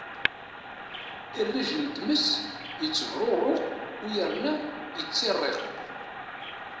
Irrij n tmes yettebṛuṛuq u yerna yettiṛṛiq.